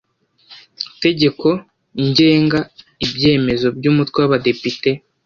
tegeko ngenga ibyemezo by Umutwe w Abadepite